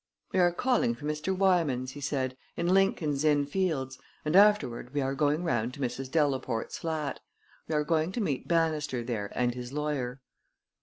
"We are calling for Mr. Wymans," he said, "in Lincoln's Inn Fields, and afterward we are going round to Mrs. Delaporte's flat. We are going to meet Bannister there and his lawyer."